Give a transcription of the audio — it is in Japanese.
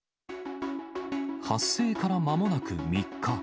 発生からまもなく３日。